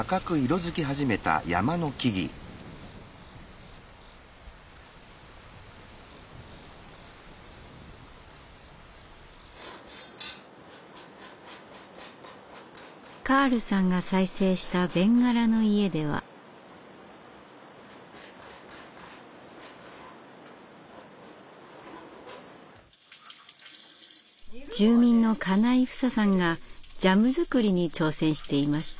住民の金井ふささんがジャム作りに挑戦していました。